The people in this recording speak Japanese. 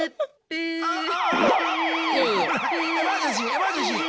エマージェンシー！